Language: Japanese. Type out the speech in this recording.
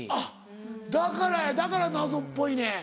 だからやだから謎っぽいねん。